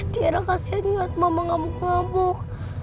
tiara kasihan ngeliat mama ngamuk ngamuk